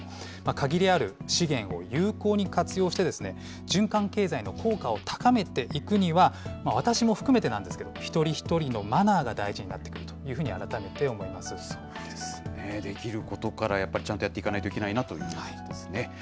限りある資源を有効に活用して、循環経済の効果を高めていくには、私も含めてなんですけど、一人一人のマナーが大事になってくるというふうに、改めて思いまそうですね、できることから、やっぱりちゃんとやっていかないといけないですね。